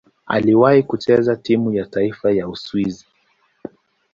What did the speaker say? Aliwahi kucheza timu ya taifa ya Uswisi.